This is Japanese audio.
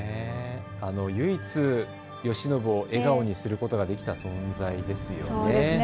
唯一、慶喜を笑顔にすることができた存在ですよね。